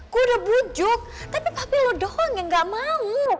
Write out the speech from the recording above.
gue udah bujuk tapi papi lo doang yang ga mau